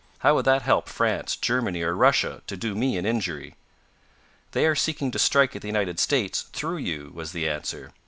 "How would that help France, Germany or Russia, to do me an injury?" "They are seeking to strike at the United States through you," was the answer.